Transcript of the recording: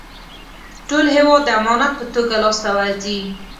ټول هېواد د امانت په توګه لاسته ورځي.